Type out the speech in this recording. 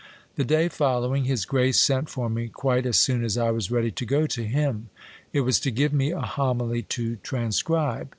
The day following, his grace sent for me quite as soon as I was ready to go to him. It was to give me a homily to transcribe.